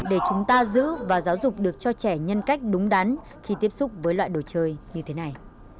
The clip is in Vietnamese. để chúng ta giữ và giáo dục được cho trẻ nhân cách đúng đắn khi tiếp xúc với loại đồ chơi như thế này